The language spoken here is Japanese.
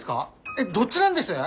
えっどっちなんです？